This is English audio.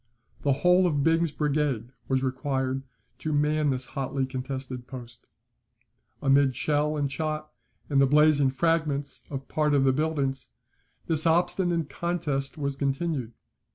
The whole of Byng's brigade was required to man this hotly contested post. Amid shell and shot, and the blazing fragments of part of the buildings, this obstinate contest was continued.